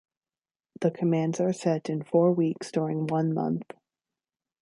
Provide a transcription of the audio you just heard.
The commands are set in four weeks during one month.